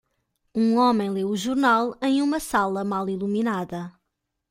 Um homem lê o jornal em uma sala mal iluminada.